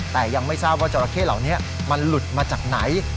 แต่ยังไม่ทราบว่าจราเข้เหล่านี้มันหลุดมาจากไหน